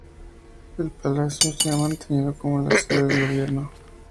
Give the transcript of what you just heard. El palacio se ha mantenido como la sede del gobierno.